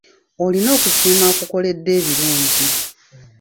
Olina okusiima akukoledde ebirungi.